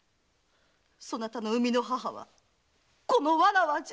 そなたの生みの母はこのわらわじゃ‼